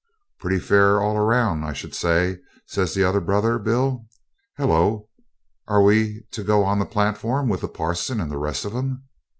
'Pretty fair all round, I should say,' says the other brother, Bill. 'Hullo! are we to go on the platform with the parson and the rest of 'em?'